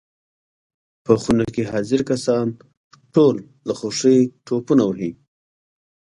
په خونه کې حاضر کسان ټول له خوښۍ ټوپونه وهي.